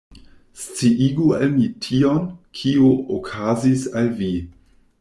Sciigu al mi tion, kio okazis al vi.